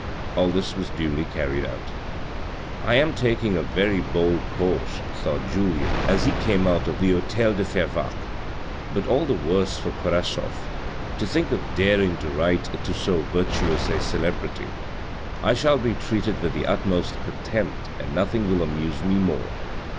All this was duly carried out. " I am taking a very bold course !" thought Julien as he came out of the hotel de Fervaques, "but all the worse for Korasoff. To think of daring to write to so virtuous a celebrity. I shall be treated with the utmost contempt, and nothing will amuse me more.